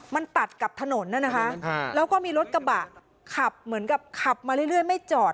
มันตัดกับถนนน่ะนะคะแล้วก็มีรถกระบะขับเหมือนกับขับมาเรื่อยไม่จอด